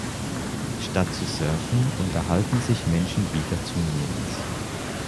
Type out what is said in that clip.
Statt zu surfen, unterhalten sich Menschen wieder zunehmends.